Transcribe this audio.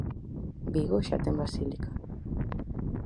Vigo xa ten basílica.